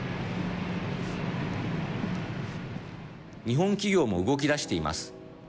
日本企業も動き出しています。